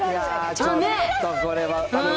ちょっとこれは。